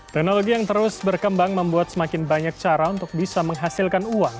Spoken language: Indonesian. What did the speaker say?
teknologi yang terus berkembang membuat semakin banyak cara untuk bisa menghasilkan uang